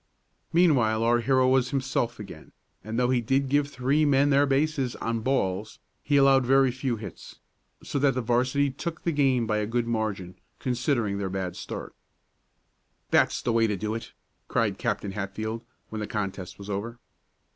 Meanwhile our hero was himself again, and though he did give three men their bases on balls, he allowed very few hits, so that the 'varsity took the game by a good margin, considering their bad start. "That's the way to do it!" cried Captain Hatfield, when the contest was over.